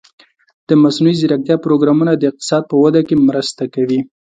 د مصنوعي ځیرکتیا پروګرامونه د اقتصاد په وده کې مرسته کوي.